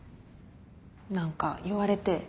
何か言われて。